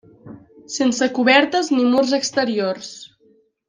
Sense cobertes ni murs exteriors.